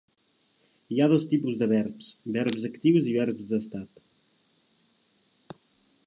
Hi ha dos tipus de verbs: verbs actius i verbs d'estat.